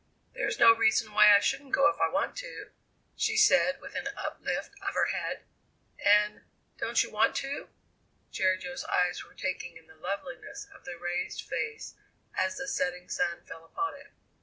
"There's no reason why I shouldn't go if I want to," she said with an uplift of her head. "And don't you want to?" Jerry Jo's eyes were taking in the loveliness of the raised face as the setting sun fell upon it.